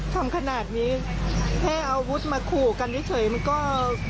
ทำขนาดนี้แทบเอาอาวุธมาขู่กันเพียงสักที